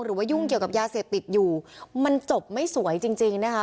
ยุ่งเกี่ยวกับยาเสพติดอยู่มันจบไม่สวยจริงจริงนะคะ